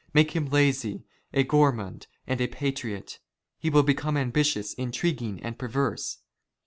Make him lazy, a gourmand, and a patriot. "He will become ambitious, intriguing, and perverse.